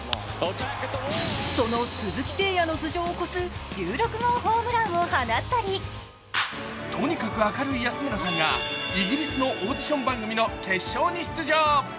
その鈴木誠也の頭上を超す１６号ホームランを放ったりとにかく明るい安村さんがイギリスのオーディション番組の決勝に出場。